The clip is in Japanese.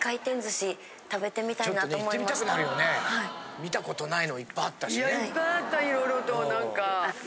見たことないのいっぱいあったしね。